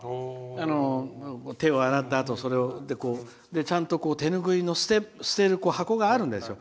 手を洗ったあと、それを手拭いを捨てる箱があるんですよ。